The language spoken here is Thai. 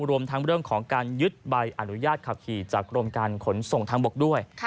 รวมทั้งเรื่องของการยึดใบอนุญาตขับขี่จากกรมการขนส่งทางบกด้วย